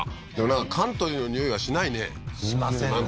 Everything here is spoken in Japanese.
なんかカントリーのにおいがしないねしませんね